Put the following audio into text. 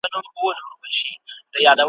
دغه وخت به ښکاري کش کړل تناوونه `